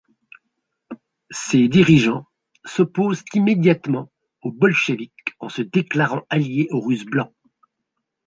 Ses dirigeants s'opposent immédiatement aux Bolcheviks en se déclarant alliés aux Russes blancs.